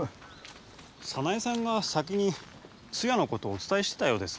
早苗さんが先に通夜の事をお伝えしてたようです。